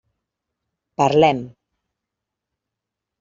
Parlem.